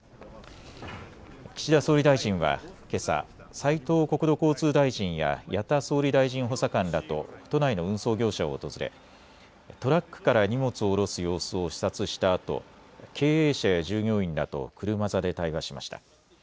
岸田総理大臣はけさ、斉藤国土交通大臣や矢田総理大臣補佐官らと都内の運送業者を訪れトラックから荷物を降ろす様子を視察したあと経営者や従業員らと車座で対話しました。